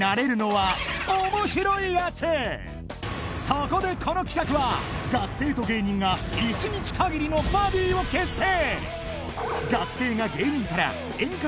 そこでこの企画は学生と芸人が１日限りのバディを結成